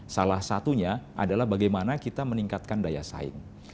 salah satunya adalah bagaimana kita meningkatkan daya saing